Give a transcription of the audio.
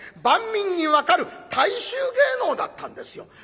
万民に分かる大衆芸能だったんですよ。